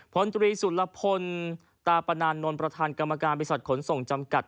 พลตรีสุรพลตาปนานนท์ประธานกรรมการบริษัทขนส่งจำกัด